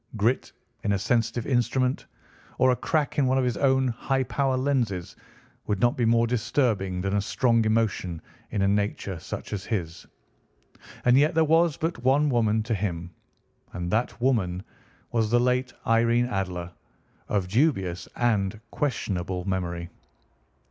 Grit in a sensitive instrument, or a crack in one of his own high power lenses, would not be more disturbing than a strong emotion in a nature such as his. And yet there was but one woman to him, and that woman was the late Irene Adler, of dubious and questionable memory.